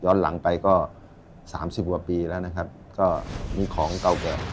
ย้อนหลังไปก็๓๐ปีแล้วนะครับก็มีของเก่าเกิด